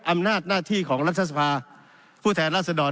อำนาจหน้าที่ของรัฐสภาผู้แทนรัศดร